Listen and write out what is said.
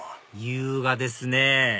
優雅ですね